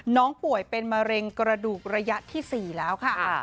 ป่วยเป็นมะเร็งกระดูกระยะที่๔แล้วค่ะ